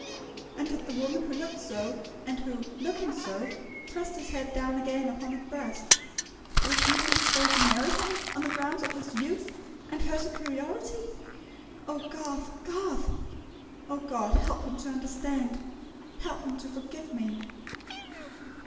And did the woman who looked so; and who, looking so, pressed his head down again upon her breast, refuse next day to marry him, on the grounds of his youth, and her superiority?... Oh, Garth, Garth! ... O God, help him to understand! ... help him to forgive me!"